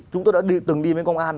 chúng tôi đã từng đi với công an